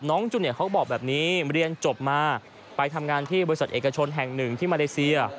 จูเนียเขาบอกแบบนี้เรียนจบมาไปทำงานที่บริษัทเอกชนแห่งหนึ่งที่มาเลเซีย